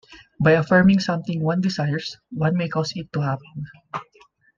By affirming something one desires, one may cause it to happen.